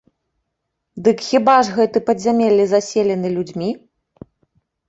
Дык хіба ж гэты падзямеллі заселены людзьмі?